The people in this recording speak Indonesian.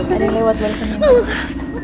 ada yang lewat barusan